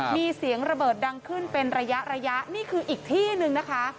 มีเสียงระเบิดดังขึ้นเป็นระยะระยะนี่คืออีกที่หนึ่งนะคะ